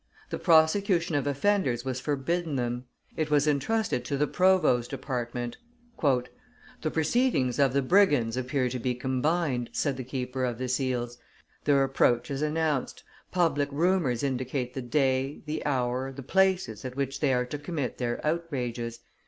The prosecution of offenders was forbidden them; it was intrusted to the provost's department. "The proceedings of the brigands appear to be combined," said the keeper of the seals; "their approach is announced; public rumors indicate the day, the hour, the places at which they are to commit their outrages.